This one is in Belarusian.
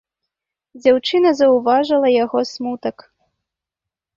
Дзяўчына заўважыла яго смутак.